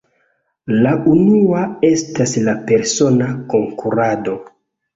La unua estas la persona konkurado.